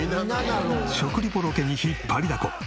食リポロケに引っ張りだこ。